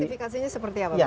sertifikasinya seperti apa